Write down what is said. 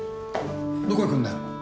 どこ行くんだよ？